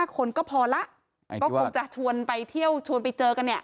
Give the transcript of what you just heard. ๔๕คนก็พอละก็คงจะชวนไปเจอกันเนี่ย